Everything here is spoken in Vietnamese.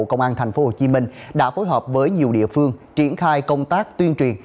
công an tp hcm đã phối hợp với nhiều địa phương triển khai công tác tuyên truyền